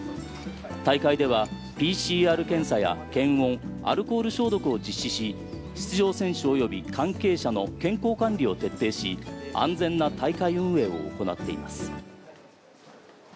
大会ではＰＣＲ検査や検温アルコール消毒を実施し出場選手及び関係者の健康管理を徹底し、安全な大会運営を行っています。